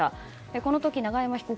この時、永山被告